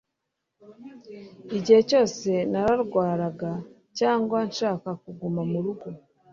igihe cyose narwaraga cyangwa nshaka kuguma murugo